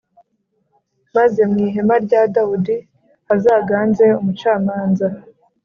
maze mu ihema rya Dawudi hazaganze umucamanza,